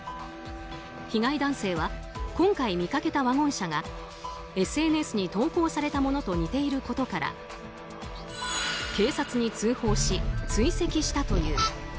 被害男性は今回見かけたワゴン車がＳＮＳに投稿されたものと似ていることから警察に通報し追跡したという。